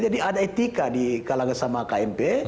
jadi ada etika di kalangan sama kmp